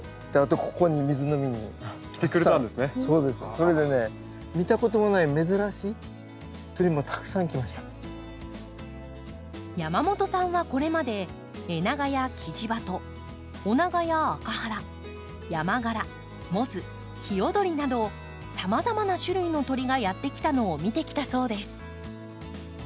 それでね見たこともない山本さんはこれまでエナガやキジバトオナガやアカハラヤマガラモズヒヨドリなどさまざまな種類の鳥がやって来たのを見てきたそうです。